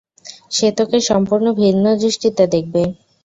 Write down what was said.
সে তোকে সম্পূর্ণ ভিন্ন দৃষ্টিতে দেখবে।